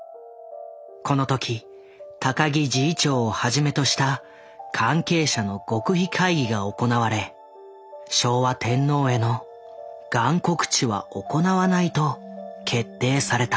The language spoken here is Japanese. このとき高木侍医長をはじめとした関係者の極秘会議が行われ昭和天皇へのガン告知は行わないと決定された。